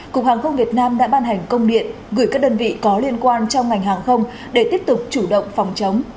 cục hàng không việt nam đã ban hành công điện gửi các đơn vị có liên quan trong ngành hàng không để tiếp tục chủ động phòng chống